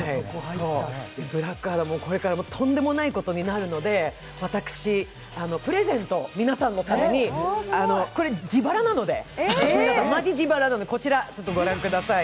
「ブラックアダム」もこれからとんでもないことになるので、私、プレゼントを皆さんのためにこれ自腹なので、マジ自腹なので、こちらご覧ください。